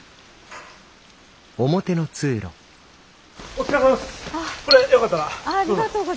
お疲れさまです！